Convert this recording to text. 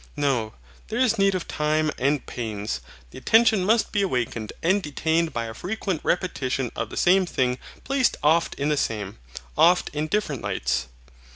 No; there is need of time and pains: the attention must be awakened and detained by a frequent repetition of the same thing placed oft in the same, oft in different lights.